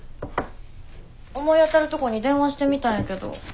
思い当たるとこに電話してみたんやけど。